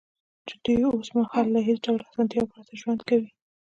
چې دوی اوس مهال له هېڅ ډول اسانتیاوو پرته ژوند کوي